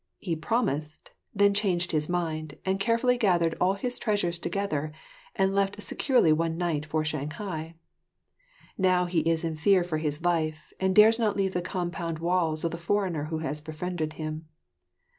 He promised; then changed his mind, and carefully gathered all his treasures together and left secretly one night for Shanghai. Now he is in fear for his life and dares not leave the compound walls of the foreigner who has befriended him.